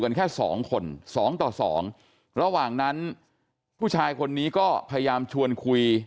แค่สองคนสองต่อสองระหว่างนั้นผู้ชายคนนี้ก็พยายามชวนคุย